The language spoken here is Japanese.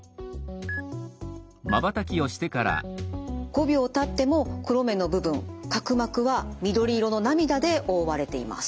５秒たっても黒目の部分角膜は緑色の涙で覆われています。